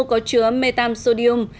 có chứa metam sodium